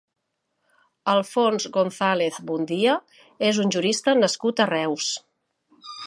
Alfons González Bondia és un jurista nascut a Reus.